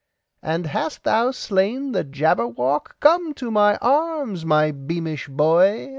"And hast thou slain the Jabberwock? Come to my arms, my beamish boy!